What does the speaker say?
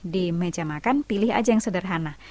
di meja makan pilih aja yang sederhana